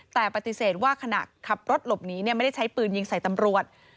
แต่ปฏิเสธว่าขณะขับรถหลบหนีไม่ได้ใช้ปืนยิงใส่ตำรวจ